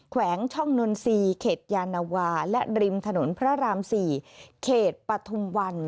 แวงช่องนนทรีย์เขตยานวาและริมถนนพระราม๔เขตปฐุมวัน